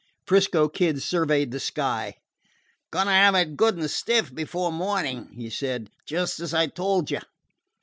'Frisco Kid surveyed the sky. "Going to have it good and stiff before morning," he said, "just as I told you."